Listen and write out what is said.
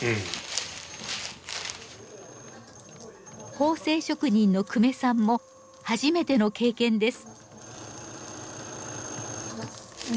縫製職人の久米さんも初めての経験です。